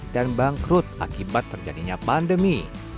dan bangkrut akibat terjadinya pandemi